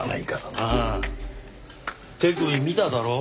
手首見ただろ？